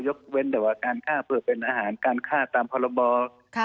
ยกเว้นแต่ว่าการฆ่าเป็นอาหารการฆ่าตามภาระบอก